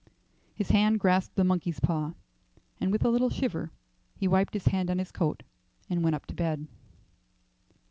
His hand grasped the monkey's paw, and with a little shiver he wiped his hand on his coat and went up to bed.